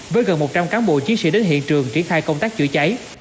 với gần một trăm linh cán bộ chiến sĩ đến hiện trường triển khai công tác chữa cháy